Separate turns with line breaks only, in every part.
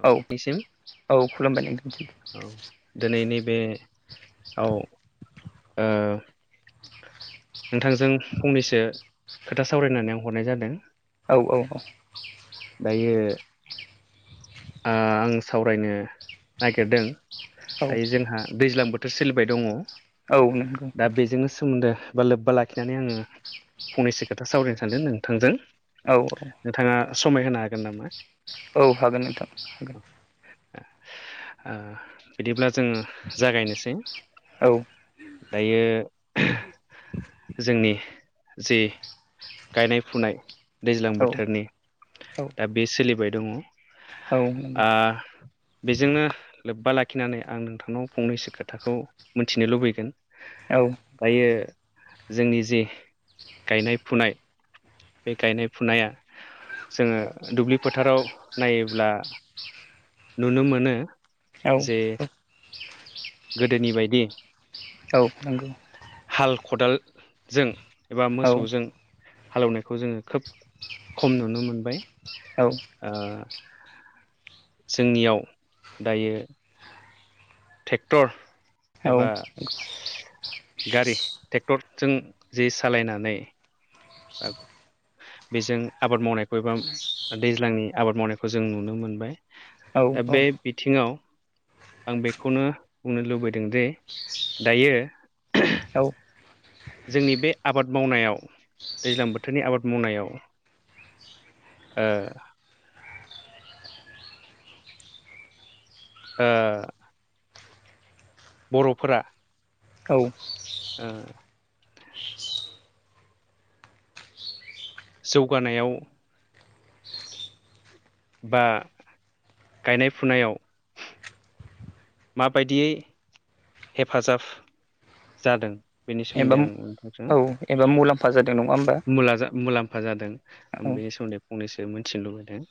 औ निसिम
औ खुलुमबाय नोंथांसिम
औ दोनैनि बे औ ओ नोंथांजों फंनैसो खोथा सावरायनानै आं हरनाय जादों।
औ औ औ।
दायो आ आं सावरायनो नागिरदों
औ
दायो जोंहा दैज्लां बोथ थोर सोलिबाय दङ
औ नंगौ
दा बेजोंनो सोमोन्दो बा लोब्बा लाख खिनानै आङो फंनैसो खोथा सावरायनो सानदों नोंथांजों।
औ औ।
नोंथाङा समाय होनो हागोन नामा?
औ हागोन नोंथां।
ओ बिदिब्ला जोङो जागायनोसै।
औ
दायो जोंनि जे गायनाय फुनाय दैज्लां
औ
बोथोरनि
औ
दा बे सोलिबाय दङ
औ नंगौ
आ बेजोंनो लोब्बा लाखिनानै आं नोंथांनाव फंनैसो खोथाखौ मिनथिनो लुबैगोन।
औ
दायो जोंनि जे गायनाय फुनाय बे गायनाय फुनाया जोङो दुब्लि फोथाराव नायोब्ला नुनो मोनो जे गोदोनि बायदि
औ नंगौ।
हाल खदाल जों एबा
औ
मोसौजों हालौनायखौ जोङो खोब खम नुनो मोनबाय।
औ
ओ जोंनियाव दायो टेक्टर एबा गारि टेक्टरजों जे सालायनानै बेजों आबाद मावनायखौ एबा दैज्लांनि आबाद मावनायखौ जों नुनो मोनबाय। दा
औ
बे बिथिङाव आं बेखौनो बुंनो लुबैदों दे दायो
औ
जोंनि बे आबाद मावनायाव दैज्लां बोथोरनि आबाद मावनायाव ओ ओ बर'फोरा
औ
ओ जौगानायाव बा गायनाय फुनायाव मा बायदियै हेफाजाब जादों बेनि
एबा
सोमोन्दै आं नोंथांजों
औ एबा मुलाम्फा जादों नङा होमबा
मुला जा मुलाम्फा जादों
औ
आं बेनि सोमोन्दै फंनैसो मोनथिनो लुबैदों।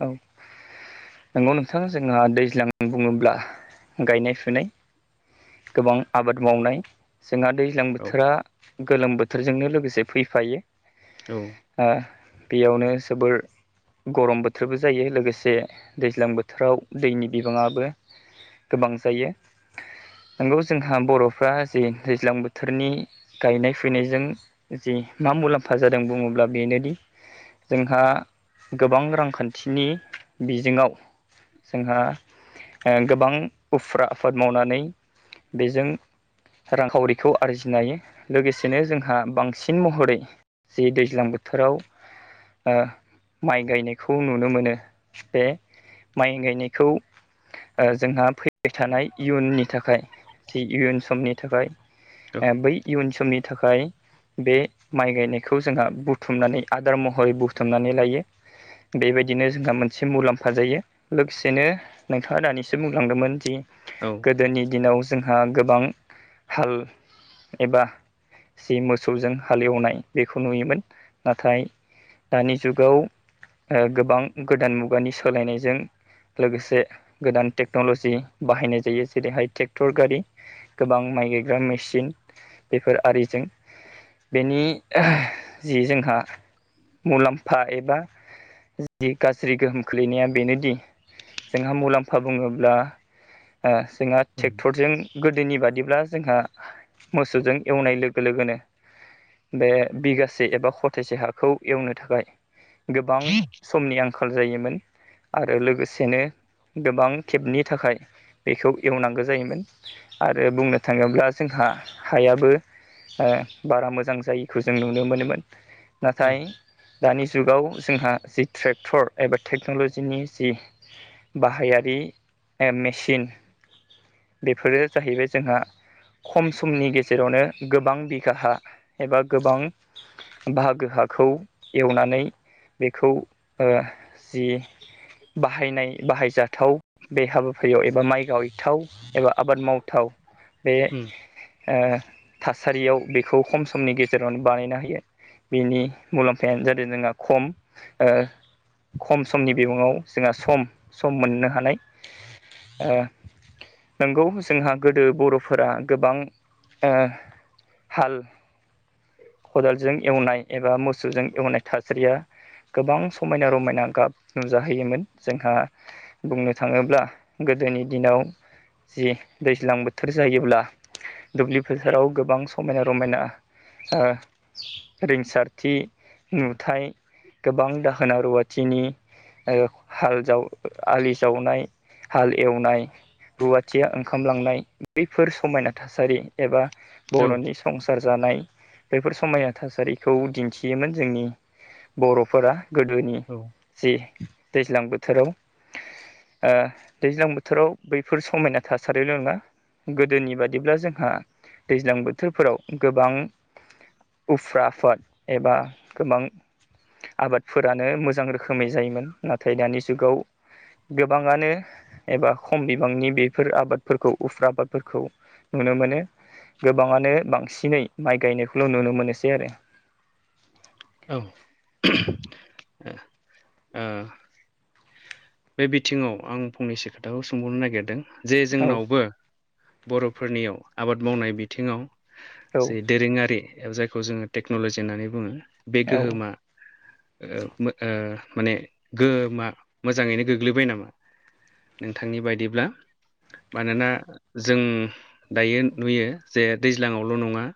औ नंगौ नोंथां जोंना दैज्लां बुङोब्ला गायनाय फुनाय गोबां आबाद मावनाय जोंहा दै लां
औ
बोथोरा गोलोम बोथोरजोंनो लोगोसे फैफायो।
औ।
ओ बेयावनो जोबोर गरम बोथ बोथोरबो जायो लोगोसे दैज्लां बोथोराव दैनि बिबाङाबो गोबां जायो। नंगौ जोंहा बर'फ्रा जे दैज्लां बोथोरनि गायनाय फुयनायजों जि मा मुलाम्फा जादों बुङोब्ला बेनोदि जोंहा गोबां रांखान्थि थिनि बिजोङाव जोंहा गोबां उफ्रा आफाद मावनानै बेजों रांखावरिखौ आरजिनो हायो लोगोसेनो जोंहा बांसिन महरै जि दैज्लां बोथोराव ओ माइ गायनायखौ खौ नुनो मोनो बे माइ गायनायखौ ओ जोंहा फैबाय थानाय इयुननि थाखाय जि इयुन समनि
औ
थाखाय बै इयुन समनि थाखाय बे माइ गायनायखौ जोंहा बुथुमनानै आदार महरै बुथुमनानै लायो। बेबायदिनो जोंहा मोनसे मुलाम्फा जायो लोगोसेनो नोंथाङा दानिसो बुंलांदोंमोन जि
औ।
गोदोनि दिनाव जोंहा गोबां हाल एबा जि मोसौजों हालेवनाय बेखौ नुयोमोन नाथाय दानि जुगाव ओ गोबां गोदान मुगानि सोलायनायजों लोगोसे गोदान टेक्न'लजि बाहायनाय जायो जेरैहाय ट्रेक्टर गारि। गोबां माइ गायग्रा मेसिन बेफोर आरिजों बेनि जि जोंहा मुलाम्फा एबा जि गाज्रि गोहोम खोलैनाया बेनोदि जोंहा मुलाम्फा बुङोब्ला जोंहा ओ
उम
ट्रेक्टरजों गोदोनि बादिब्ला जोंहा मोसौजों एवनाय लोगो लोगोनो बे बिगासे एबा खथेसे हाखौ एवनो थाखाय गोबां समनि आंखाल जायोमोन। आरो लोगोसेनो गोबां खेबनि थाखाय बेखौ एवनांगौ जायोमोन। आरो बुंनो थाङोब्ला जोंहा हायाबो ओ बारा मोजां जायिखौ जों नुनो मोनोमोन।
उम
नाथाय दानि जुगाव जोंहा जि ट्रेक्टर एबा टेक्न'ल'जिनि जि बाहायारि मेचिन बेफोरो जाहैबाय जोंहा खम समनि गेजेरावनो गोबां बिघा हा एबा गोबां बाहागो हाखौ एवनानै बेखौ ओ जि बाहायनाय बाहायजाथाव बे हाबाफारियाव एबा माइ गायथाव एबा आबाद मावथाव बे
उम
ओ थासारियाव बेखौ खम समनि गेजेरावनो बानायनो हायो। बेनि मुलाम्फायानो जादों जोंहा खम ओ खम समनि बिबङाव जोंहा सम सम मोननो हानाय ओ नंगौ जोंहा गोदो बर'फोरा गोबां ओ हाल खदालजों एवनाय एबा मोसौजों एवनाय थासारिया गोबां सम समायना रमायना गाब नुजाहैयोमोन जोंहा बुंनो थाङोब्ला गोदोनि दिनाव जि दैज्लां बोथोर जायोब्ला दुब्लि फोथाराव गोबां समायना रमायना ओ रिंसारथि नुथाय गोबां दाहोना रुवाथिनि ओ हाल जाव आलि जावनाय हाल एवनाय रुवाथिया ओंखामलांनाय बैफोर समायना थासारि एबा
औ
बर'नि संसार जानाय बेफोर समायना थासारिखौ दिन्थियोमोन जोंनि बर'फोरा गोदोनि
औ
जे दैज्लां बोथोराव ओ दैज्लां बोथोराव बैफोर समायना थासारिल' नङा गोदोनि बादिब्ला जोंहा दैज्लां बोथोरफोराव गोबां उफ्राफोद एबा गोबां फोरानो मोजां रोखोमै जायोमोन नाथाय दानि जुगाव गोबाङानो एबा खम बिबांनि बेफोर आबादफोरखौ उफ्रा आबादफोरखौ नुनो मोनो। गोबाङानो बांसिनै माइ गायनायखौल' नुनो मोनोसै आरो।
औ ओ ओ बे बिथिङाव आं फंनैसो खोथाखौ सोंबावनो नागिरदों जे
औ
जोंनावबो बर'फोरनियाव आबाद मावनाय बिथिङाव
औ
जे दोरोङारि जायखौ जोङो टेक्नलजि होननानै बुङो बे गोहोमा ओ मो ओ माने गोमा मोजाङैनो गोग्लैबाय नामा? नोंथांनि बायदिब्ला मानोना जों दायो नुयो जे दैज्लाङावल' नङा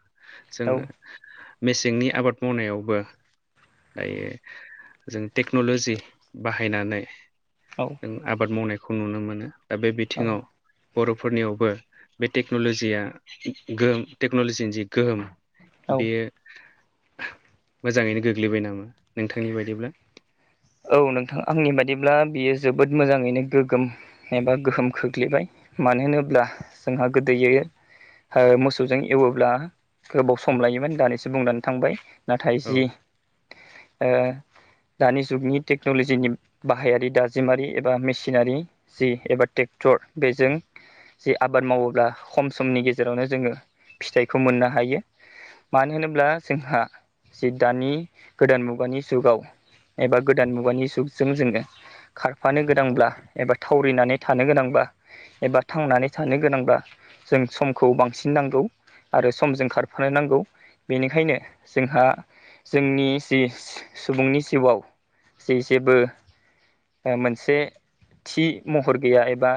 औ
जोङो मेसेंनि आबाद मावनायावबो दायो जों टेक्न'ल'जि बाहायनानै
औ
आबाद मावनायखौ नुनो मोनो दा बे
औ
बिथिङाव बर'फोरनियावबो बे टेक्न'लजिया गोहोम टेक्न'लजिनि जि गोहोम
औ
बेयो मोजाङैनो गोग्लैबाय नामा नोंथांनि बायदिब्ला?
औ नोंथां आंनि बादिब्ला बियो जोबोद मोजाङैनो गोगोम एबा गोहोम खोख्लैबाय मानो होनोब्ला जोंहा गोदोयै ओ मोसौजों एवोब्ला गोबाव सम लायोमोन दासो बुंनानै थांबाय नाथाय
औ
जि ओ दानि जुगनि टेक्न'लजिनि बाहायारि दाजिमारि एबा मेसिनारि जि एबा ट्रेक्टर बेजों जे आबाद मावोब्ला खम समनि गेजेरावनो जोङो फिथाइखौ मोननो हायो। मानो होनोब्ला जोंहा जि दानि गोदान मुगानि जुगाव एबा गोदान मुगानि जुगजों जोङो खारफानो गोनांब्ला एबा थावरिनानै थानो गोनांब्ला एबा थांनानै थानो गोनांब्ला जों समखौ बांसिन नांगौ आरो सम जों खारफानो नांगौ। बेनिखायनो जोंहा जोंनि जि सुबुंनि जिउआव जे जेबो ओ मोनसे थि महर गैया एबा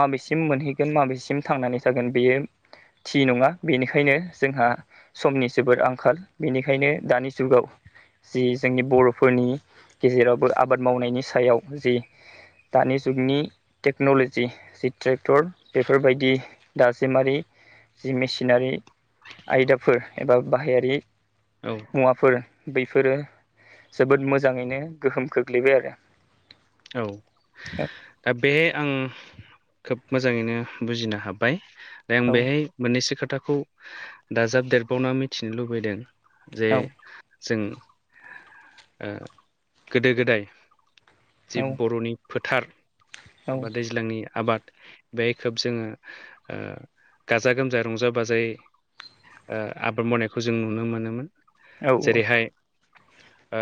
माबेसिम मोनहैगोन माबेसिम थांनानै थागोन बेयो थि नङा बेनिखायनो जोंहा समनि जोबद आंखाल। बेनिखायनो दानि जुगाव जि जोंनि बर'फोरनि गेजेरावबो आबाद मावनायनि सायाव जि दानि जुगनि टेक्न'ल'जि जि ट्रेक्टर बेफोरबायदि दाजिमारि जि मेसिनारि आयदाफोर एबा बाहायारि
औ।
मुवाफोर बेफोरो जोबोद मोजाङैनो गोहोम खोख्लैबाय आरो।
औ। दा बेहाय आं खोब मोजाङैनो बुजिनो हाबाय दा आं बेहाय मोननैसो खोथाखौ दाजाबदेरबावना मिथिनो लुबैदों जे जों ओ गोदो गोदाय
औ
जि बर'नि फोथार
औ
एबा दैज्लांनि आबाद बेहाय खोब जोङो ओ गाजा गोमजा रंजा बाजायै ओ आबाद मावनायखौ जों नुनो मोनोमोन।
औ
जेरैहाय ओ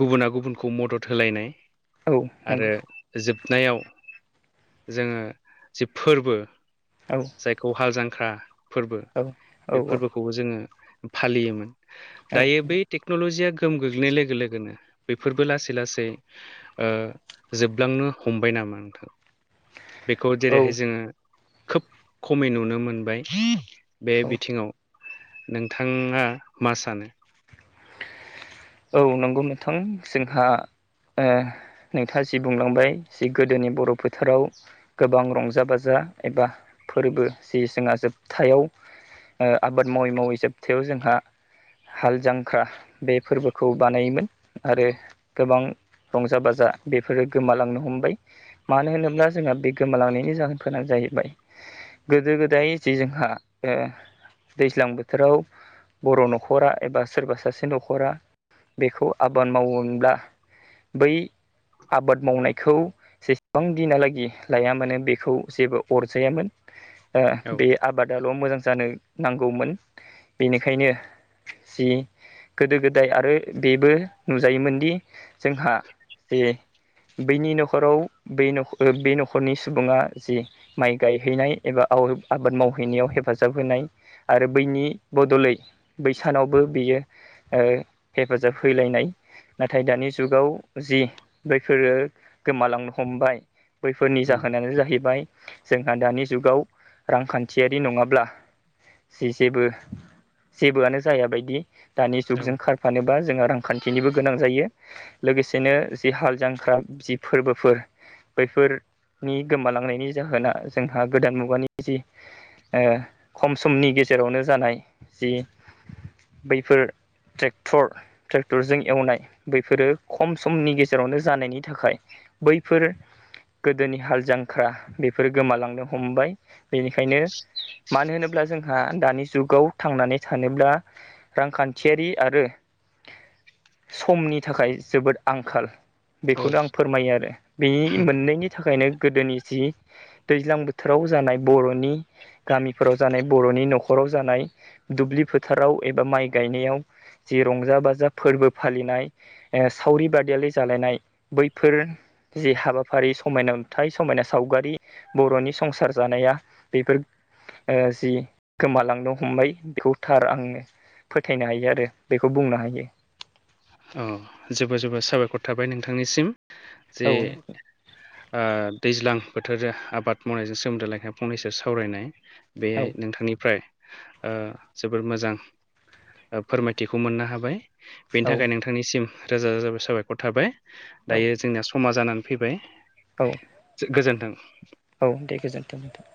गुबुना गुबुन खौ मदद होलायनाय
औ नंगौ
आरो जोबनायाव जोङो जि फोर्बो
औ।
जायखौ हाल जांख्रा फोर्बो
औ औ
बे फोर्बोखौबो जोङो फालियोमोन।
औ
दायो बै टेक्न'ल'जिया गोहोम गोग्लैनाय लोगो लोगोनो फोर्बो लासै लासै जोबलांनो हमबाय नामा नोंथां? बेखौ
औ
जेरैहाय जोङो खोब खमै नुनो मोनबाय। बे
औ
बिथिङाव नोंथाङा मा सानो?
औ नंगौ नोंथां जोंहा ओ नोंथाङा जि बुंलांबाय जि गोदोनि बर' फोथाराव गोबां रंजा बाजा एबा फोर्बो जि जोंहा जोबथायाव ओ आबाद मावै मावै जोबथायाव जोंहा हाल जां ख्रा बे फोर्बोखौ बानायोमोन आरो गोबां रंजा बाजा बेफोरो गोमालांनो हमबाय‌। मानो होनोब्ला जोंहा बे गोमालांनायनि जाहोनफोरानो जाहैबाय गोदो गोदाय जि जोंहा ओ दैज्लां बोथोराव बर' नखरा एबा सोरबा सासे नखरा बेखौ आबाद मावनोब्ला बै आबाद मावनायखौ जेसेबां दिनालागि लायो मानो बेखौ जेबो अरजायामोन।
औ
ओ बे आबादाल' मोजां जानो नांगौमोन बेनिखायनो जि गोदो गोदाय आरो बेबो नुजायोमोनदि जोंहा जे बैनि नखराव बै बे नखरनि सुबुङा जि माइ गायहैनाय एबा आबाद मावहैनायाव हेफाजाब होनाय आरो बैनि बदलै बै सानावबो बियो ओ हेफाजाब हैलायनाय नाथाय दानि जुगाव जि बैफोरो गोमालांनो हमबाय। बैफोरनि
उम
जाहोनानो जाहैबाय जोंहा दानि जुगाव रांखान्थियारि नङाब्ला जि जेबो जेबोआनो जायाबायदि दानि जुगजों
औ
खार फानोबा जोंहा रांखान्थिनिबो गोनां जायो। लोगोसेनो जि हाल जांख्रा जि फोर्बोफोर बैफोरनि गोमालांनायनि जाहोना जोंहा गोदान मुगानि जि ओ खम समनि गेजेरावनो जानाय जि बैफोर ट्रेक्टर ट्रेक्टरजों एवनाय बैफोरो खम समनि गेजेरावनो जानायनि थाखाय बैफोर गोदोनि हाल जांख्रा बेफोर गोमालांनो हमबाय। बेनिखायनो मानो होनोब्ला जोंहा दानि जुगाव थांनानै थानोब्ला रांखान थियारि आरो समनि थाखाय जोबोद आंखाल।
औ
बेखौनो आं फोरमायो आरो बेनि मोननैनि थाखायनो गोदोनि जि दैज्लां बोथोराव जानाय बर'नि गामिफोराव जानाय बर'नि न'खराव जानाय दुब्लि फोथाराव एबा माइ गायनायाव जि रंजा बाजा फोर्बो फालिनाय ओ सावरि बादियालि जालायनाय बैफोर जि हाबाफारि समायना नुथाय समायना सावगारि बर'नि संसार जानाया बेफोर ओ जि गोमालांनो हमबाय बेखौ थार आङो फोथायनो हायो आरो बेखौ बुंनो हायो।
औ जोबोर जोबोर साबायखर थाबाय नोंथांनिसिम जे
औ
ओ दैज्लां बोथोर आबाद मावनायजों सोमोन्दो लाखिना फंनैसो सावरायनाय बेहाय नोंथांनिफ्राय ओ जोबोर मोजां ओ फोरमायथिखौ मोननो हाबाय बेनि
औ
थाखाय नोंथां नोंथांनिसिम रोजा रोजा साबायखर थाबाय दायो जोंनिया समा जानानै फैबाय
औ
जो गोजोन्थों।
औ दे गोजोन्थों नोंथां